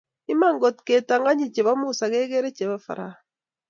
Iman ngotkitakanye chebo Musa kikere chebo pharao